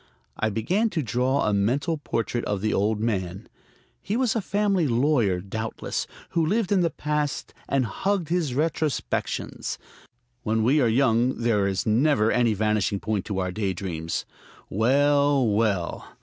I began to draw a mental portrait of the old man. He was a family lawyer, doubtless, who lived in the past and hugged his retrospections. When we are young there is never any vanishing point to our day dreams. Well, well!